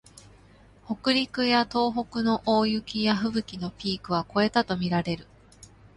北陸や東北の大雪やふぶきのピークは越えたとみられる